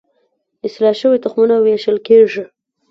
اصلاح شوي تخمونه ویشل کیږي.